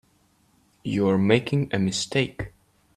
You are making a mistake.